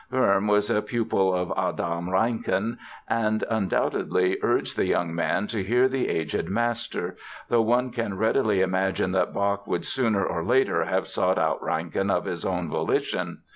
Böhm was a pupil of Adam Reinken and undoubtedly urged the young man to hear the aged master, though one can readily imagine that Bach would sooner or later have sought out Reinken of his own volition.